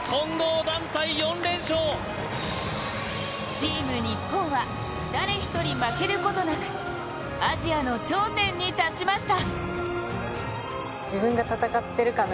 チーム日本は誰一人負けることなくアジアの頂点に立ちました。